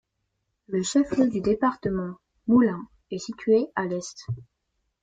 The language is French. Le chef-lieu du département, Moulins, est situé à à l'est.